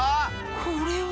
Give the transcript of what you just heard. これは。